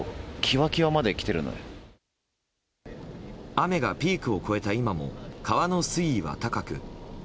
雨のピークを越えた今も川の水位は高く。